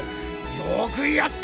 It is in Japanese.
よくやった！